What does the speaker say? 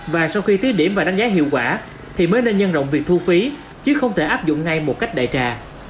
và sau khi thí điểm và đánh giá hiệu quả thì mới nên nhân rộng việc thu phí chứ không thể áp dụng ngay một cách đại trà